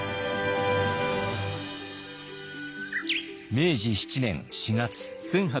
明治７年４月。